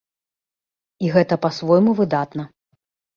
І гэта па-свойму выдатна.